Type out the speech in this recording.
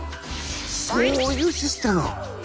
そういうシステム。